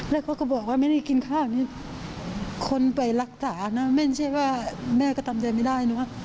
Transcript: แล้วเขาก็บอกว่าไม่ได้กินข้าวนี่คนไปรักษานะไม่ใช่ว่าแม่ก็ทำใจไม่ได้เนอะ